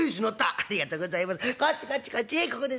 「ありがとうございます。